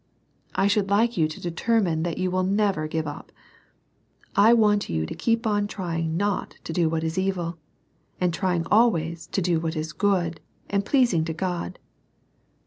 I should like you to determine that you will never give up. I want you to keep on trying not to do what is evil, and trying always to do what is good, and pleasing to God.